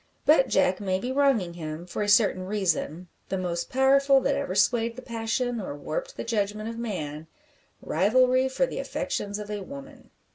But Jack may be wronging him, for a certain reason the most powerful that ever swayed the passion or warped the judgment of man rivalry for the affections of a woman.